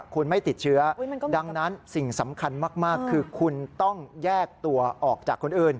คุณไม่ติดเชื้อดังนั้นสิ่งสำคัญมากคือคุณต้องแยกตัวออกจากคนอื่น